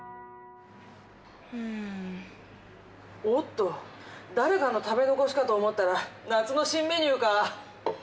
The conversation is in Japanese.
おっと誰かの食べ残しかと思ったら夏の新メニューか。